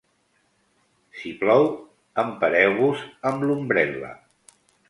Si plou, empareu-vos amb l'ombrel·la.